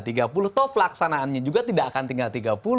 toh pelaksanaannya juga tidak akan tinggal tiga puluh